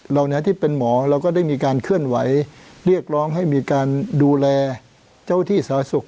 ที่เป็นหมอเราก็ได้มีการเคลื่อนไหวเรียกร้องให้มีการดูแลเจ้าที่สาธารณสุข